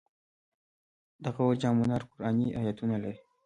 د غور جام منار قرآني آیتونه لري